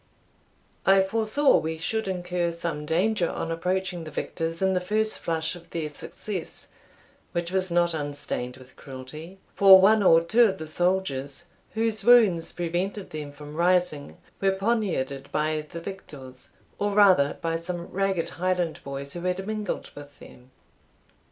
I foresaw we should incur some danger on approaching the victors in the first flush of their success, which was not unstained with cruelty; for one or two of the soldiers, whose wounds prevented them from rising, were poniarded by the victors, or rather by some ragged Highland boys who had mingled with them.